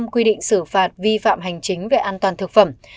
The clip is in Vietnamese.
quy định xử phạt vi phạm hành chính về an toàn thực phẩm